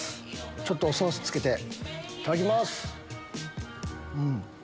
ちょっとソースつけて、いただきます。